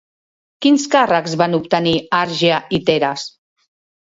Quins càrrecs van obtenir Àrgia i Teras?